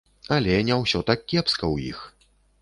Але не ўсё так кепска ў іх.